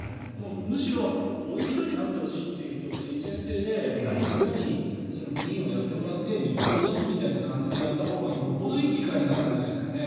むしろこういう人になってほしいという人を推薦制で何人かに議員をやってもらって日当を出すみたいな感じでやったほうがよほどいい議会になるんじゃないですかね。